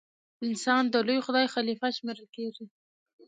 انسان د لوی خدای خلیفه شمېرل کیږي.